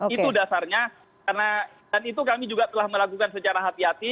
itu dasarnya karena dan itu kami juga telah melakukan secara hati hati